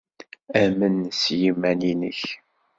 Amen s yiman-nnek.